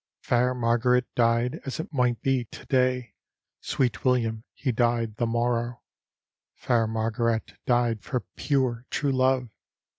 " Fair Margaret died as it might be to day, Sweet William he died the morrow, Fair Margaret died for pure true love.